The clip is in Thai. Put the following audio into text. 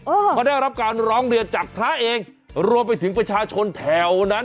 เขาได้รับการร้องเรียนจากพระเองรวมไปถึงประชาชนแถวนั้น